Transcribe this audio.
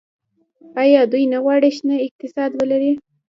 آیا دوی نه غواړي شنه اقتصاد ولري؟